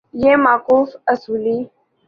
یہ موقف اصولی